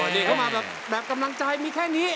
นี่เข้ามาแบบกำลังใจมีแค่นี้